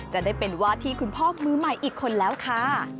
จะได้เป็นวาที่คุณพ่อมือใหม่อีกคนแล้วค่ะ